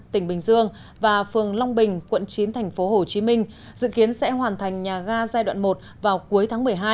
tỉnh bình dương và phường long bình quận chín tp hcm dự kiến sẽ hoàn thành nhà ga giai đoạn một vào cuối tháng một mươi hai